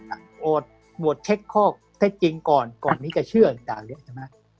โดดเช็คข้อเท็จจริงก่อนก่อนนี้ก็เชื่อต่างเนี่ยใช่มั้ย